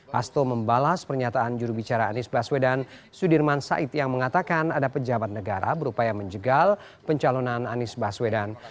hasto membalas pernyataan jurubicara anies baswedan sudirman said yang mengatakan ada pejabat negara berupaya menjegal pencalonan anies baswedan